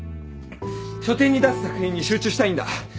書展に出す作品に集中したいんだ。